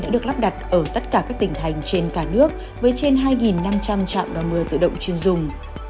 đã được lắp đặt ở tất cả các tỉnh thành trên cả nước với trên hai năm trăm linh trạm đo mưa tự động chuyên dùng